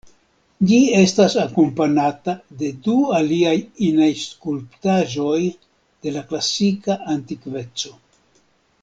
Ĝi estas akompanata de du aliaj inaj skulptaĵoj de la klasika antikveco.